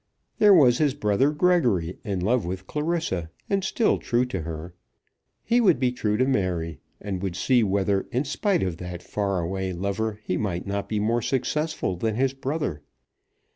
There was his brother Gregory in love with Clarissa, and still true to her. He would be true to Mary, and would see whether, in spite of that far away lover, he might not be more successful than his brother.